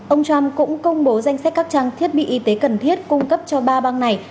ông trump cũng công bố danh sách các trang thiết bị y tế cần thiết cung cấp cho ba bang này